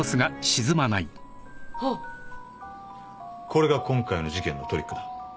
これが今回の事件のトリックだ。